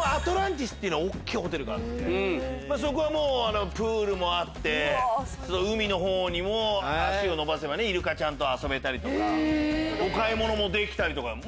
アトランティスっていう大っきいホテルがあってそこはプールもあって海のほうに足を伸ばせばイルカちゃんと遊べたりとかお買い物もできたり。